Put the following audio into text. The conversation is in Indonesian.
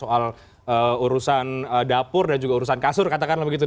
soal urusan dapur dan juga urusan kasur katakanlah begitu